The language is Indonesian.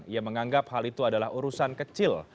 ia menganggap hal itu adalah urusan kecil